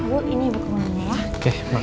bu ini buku nomornya